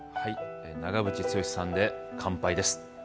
長渕剛さんで「乾杯」です。